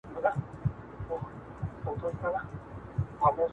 د دې لپاره چې تاسو نصیحت قبول كړئ